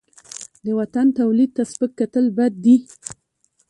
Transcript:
د وطن تولید ته سپک کتل بد دي.